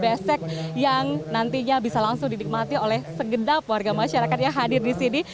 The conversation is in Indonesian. besek yang nantinya bisa langsung didikmati oleh segedap warga masyarakat yang hadir di sini